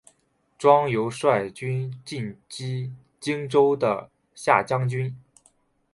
庄尤率军进击荆州的下江军。